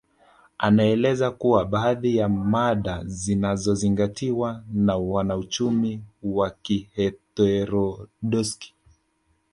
Anaeleza kuwa baadhi ya mada zinazozingatiwa na wanauchumi wa kiheterodoksi